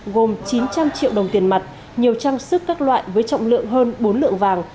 gồm chín trăm linh triệu đồng tiền mặt nhiều trang sức các loại với trọng lượng hơn bốn lượng vàng